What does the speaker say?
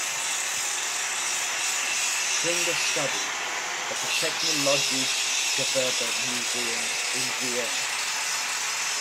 Klinger studied at the Technologisches Gewerbemuseum in Vienna.